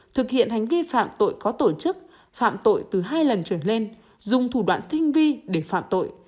thực hiện hành vi phạm tội có tổ chức phạm tội từ hai lần trở lên dùng thủ đoạn tinh vi để phạm tội